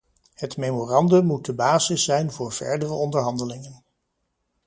Het memorandum moet de basis zijn voor verdere onderhandelingen.